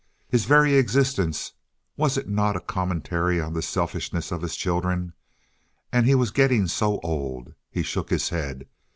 His very existence, was it not a commentary on the selfishness of his children? And he was getting so old. He shook his head.